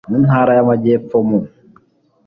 mu ntara y'amajyepfo mu